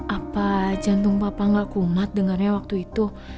apa jantung papa nggak kumat dengarnya waktu itu